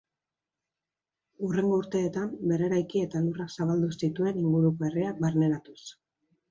Hurrengo urteetan berreraiki eta lurrak zabaldu zituen inguruko herriak barneratuz.